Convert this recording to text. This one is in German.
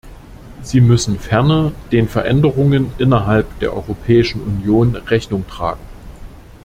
Sie müssen ferner den Veränderungen innerhalb der Europäischen Union Rechnung tragen.